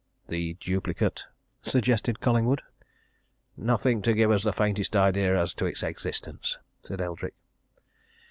"The duplicate?" suggested Collingwood. "Nothing to give us the faintest idea as to its existence!" said Eldrick.